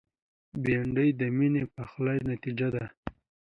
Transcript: بېنډۍ د میني پخلي نتیجه ده